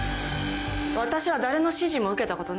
私は誰の指示も受けたことない。